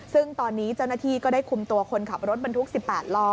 ซึ่งตอนนี้เจ้าหน้าที่ก็ได้คุมตัวคนขับรถบรรทุก๑๘ล้อ